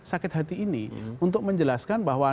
sakit hati ini untuk menjelaskan bahwa